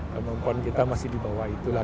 kemampuan kita masih di bawah itulah